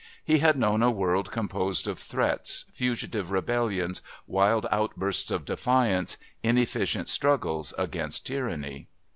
He had known a world composed of threats, fugitive rebellions, wild outbursts of defiance, inefficient struggles against tyranny.